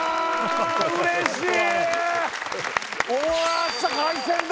うれしい！